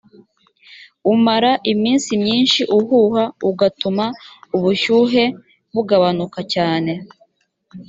umara iminsi myinshi uhuha ugatuma ubushyuhe bugabanuka cyane